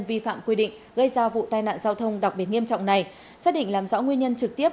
vi phạm quy định gây ra vụ tai nạn giao thông đặc biệt nghiêm trọng này xác định làm rõ nguyên nhân trực tiếp